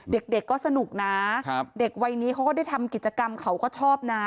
เด็กก็สนุกนะเด็กวัยนี้เขาก็ได้ทำกิจกรรมเขาก็ชอบนะ